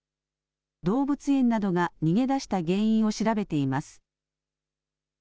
動物園などが逃げ出した原因を調べています。